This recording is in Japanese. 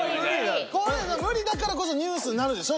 こういうの無理だからこそニュースになるでしょ。